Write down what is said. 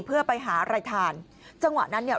เพื่อไปหาอะไรทานจังหวะนั้นเนี่ย